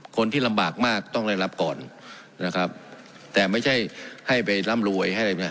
คนที่ลำบากมากต้องได้รับก่อนนะครับแต่ไม่ใช่ให้ไปร่ำรวยให้อะไรนะ